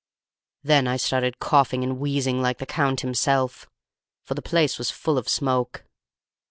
"Then I started coughing and wheezing like the Count himself, for the place was full of smoke.